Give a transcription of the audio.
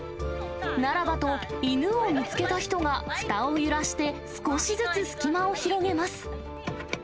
ならばと、犬を見つけた人がふたを揺らして少しずつ隙間を広げます。